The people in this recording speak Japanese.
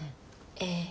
ええ。